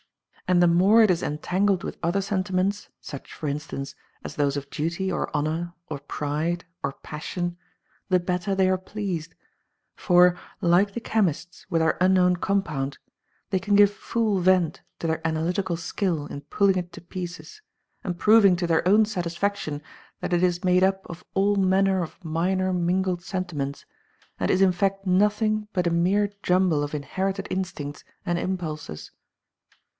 And the more it is entangled with other sentiments, such, for instance, as those of duty or honor or pride or passion, the better they are pleased ; for, like the chemists with their unknown compound, they can give full vent to their analytical skill in pulling it to pieces, and proving to their own satisfaction that it is made up of all manner of minor mingled sentiments, and is in fact nothing but a mere jumble of inherited instincts and impulses.